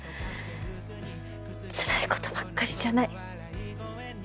つらいことばっかりじゃない。